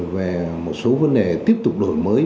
về một số vấn đề tiếp tục đổi mới